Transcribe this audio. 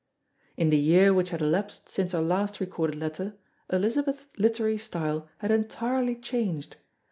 In the year which had elapsed since her last recorded letter Elizabeth's literary style had entirely changed.